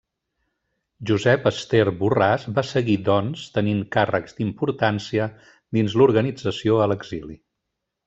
Josep Ester Borràs va seguir, doncs, tenint càrrecs d'importància dins l'organització a l'exili.